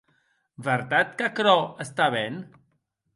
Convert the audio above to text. Vertat qu’aquerò està ben?